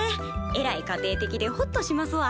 えらい家庭的でホッとしますわ。